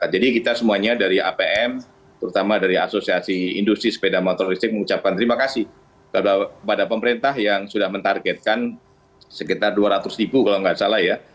jadi kita semuanya dari apm terutama dari ass mengucapkan terima kasih kepada pemerintah yang sudah menargetkan sekitar dua ratus ribu kalau nggak salah ya